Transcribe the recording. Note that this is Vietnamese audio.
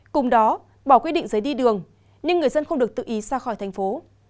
cùng đó bỏ quyết định giấy đi đường nhưng người dân không được tự ý ra khỏi thành phố